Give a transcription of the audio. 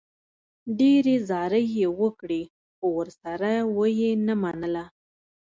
ډېرې زارۍ یې وکړې، خو ورسره و یې نه منله.